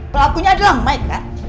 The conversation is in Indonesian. pelakunya adalah mike kan